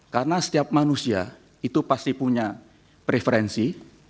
karena setiap manusia itu pasti punya preferensi